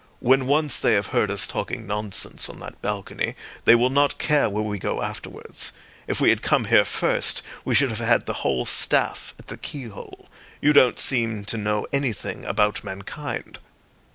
"When once they have heard us talking nonsense on that balcony they will not care where we go afterwards. If we had come here first, we should have had the whole staff at the keyhole. You don't seem to know anything about mankind."